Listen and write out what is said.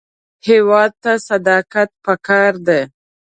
هېواد ته صداقت پکار دی